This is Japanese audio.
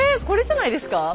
これじゃないですか？